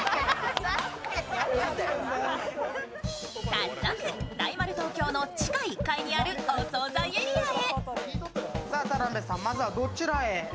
早速大丸東京の地下１階にあるお惣菜エリアへ。